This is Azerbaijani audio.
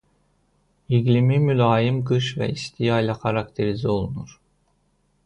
İqlimi mülayim qış və isti yayla xarakterizə olunur.